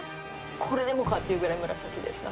これでもかっていうぐらい紫です中。